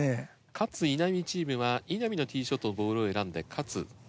勝・稲見チームは稲見のＴｅｅショットのボールを選んで勝。